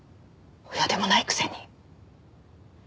親でもないくせに。